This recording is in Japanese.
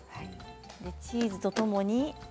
チーズとともに。